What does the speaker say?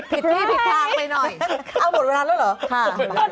ผิดที่ผิดทางไปหน่อยเอาหมดเวลาแล้วเหรอค่ะ